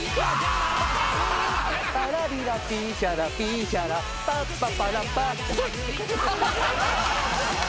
「パラリラピーヒャラピーヒャラパッパパラパ」遅い！